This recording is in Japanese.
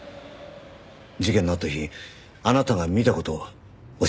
事件のあった日あなたが見た事を教えてください。